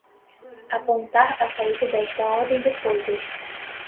apontar a saída desta ordem de coisas